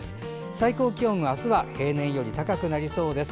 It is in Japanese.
最高気温はあすは平年より高くなりそうです。